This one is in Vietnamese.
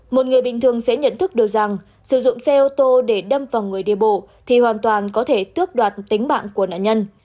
một người bình thường sẽ nhận thức được rằng sử dụng xe ô tô để đâm vào người đi bộ thì hoàn toàn có thể tước đoạt tính mạng của nạn nhân